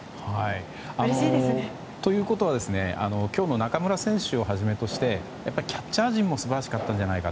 ということは今日の中村選手をはじめとしてキャッチャー陣も素晴らしかった。